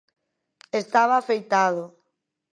Estaba afeitado.